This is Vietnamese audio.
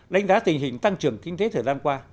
đánh giá tình hình tăng trưởng kinh tế thời gian qua